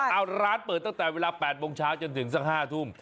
เอาร้านเปิดตั้งแต่เวลา๘โมงเช้าจนถึงสัก๕ทุ่ม